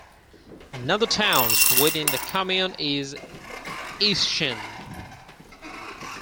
Another towns within the commune is Eischen.